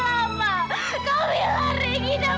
kamu jangan tinggalkan mila